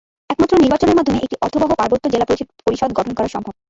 একমাত্র নির্বাচনের মাধ্যমে একটি অর্থবহ পার্বত্য জেলা পরিষদ গঠন করা সম্ভব।